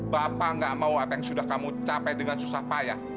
bapak gak mau apa yang sudah kamu capai dengan susah payah